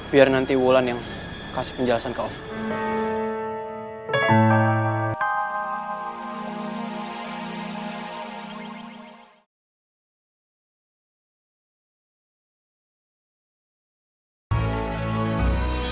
biar nanti wulan yang kasih penjelasan ke allah